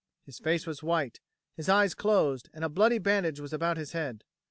His face was white, his eyes closed, and a bloody bandage was about his head.